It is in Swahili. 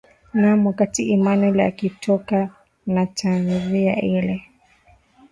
naam wakati emmanuel akitoka na tanzia ile